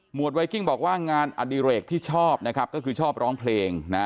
ไวกิ้งบอกว่างานอดิเรกที่ชอบนะครับก็คือชอบร้องเพลงนะ